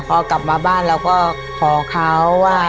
พอกลับมาบ้านเราก็ขอเขาว่า